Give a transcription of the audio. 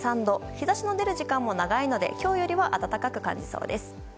日差しの出る時間も長いので今日よりは暖かく感じそうです。